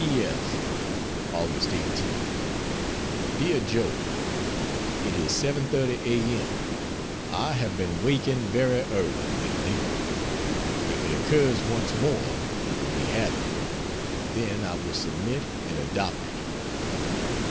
P. S. Aug. 18. DEAR JOE, It is 7.30 a. m. I have been waking very early, lately. If it occurs once more, it will be habit; then I will submit and adopt it.